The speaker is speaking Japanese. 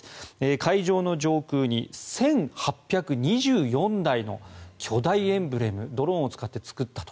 会場の上空に１８２４台の巨大エンブレムをドローンを使って作ったと。